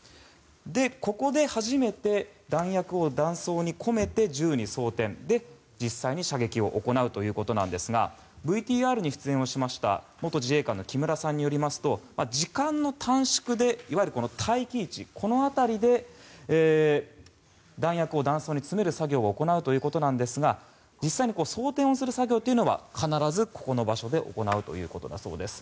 ここで初めて弾薬を弾倉に込めて銃に装填して実際に射撃を行うんですがＶＴＲに出演しました元自衛官の木村さんによりますと時間の短縮で、待機位置辺りで弾薬を弾倉に詰める作業を行うということですが実際、装填する作業は必ずこの場所で行うということです。